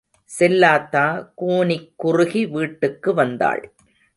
செல்லாத்தா கூனிக்குறுகி வீட்டுக்கு வந்தாள்.